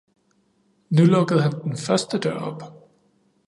Nu lukkede han den første dør op.